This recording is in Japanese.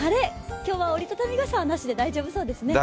今日は折り畳み傘はなしで大丈夫そうですね。